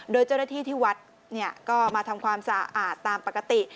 โดยเจ้าหน้าที่ที่วัดก็มาทำความสะอาดตามปกติ